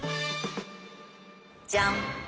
じゃん！